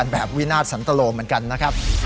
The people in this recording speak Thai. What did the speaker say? แบบวินาทสันตโลเหมือนกันนะครับ